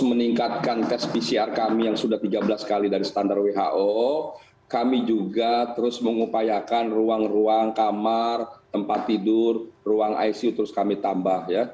meningkatkan tes pcr kami yang sudah tiga belas kali dari standar who kami juga terus mengupayakan ruang ruang kamar tempat tidur ruang icu terus kami tambah